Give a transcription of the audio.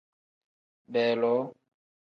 Beeloo.